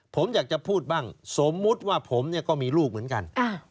ผมอยากจะพูดบ้างสมมุติว่าผมเนี่ยก็มีลูกเหมือนกัน